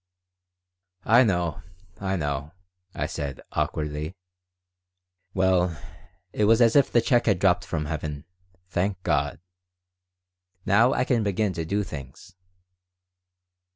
"I know, I know," I said, awkwardly. "Well, it was as if the check had dropped from heaven. Thank God! Now I can begin to do things."